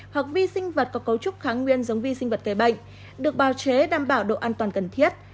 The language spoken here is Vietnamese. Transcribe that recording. hoặc vi sinh vật có cấu trúc kháng nguyên giống vi sinh vật tề bệnh được bào chế đảm bảo độ an toàn cần thiết